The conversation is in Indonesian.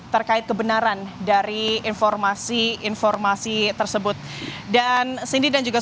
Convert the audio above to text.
sudahkah dilakukan sketsa wajah